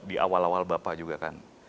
di awal awal bapak juga kan